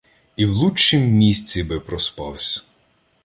І в лучшім місці би проспавсь.